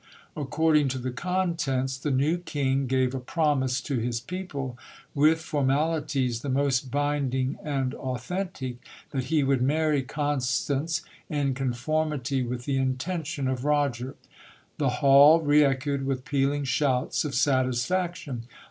According to the contents, the new king gave a promise to his people, with formalities the most binding and authentic, that he would marry Constance, in conformity with the intention of Roger. The hall re echoed with pealing shouts of satisfaction.